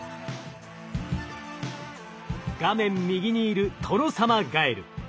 画面右にいるトノサマガエル。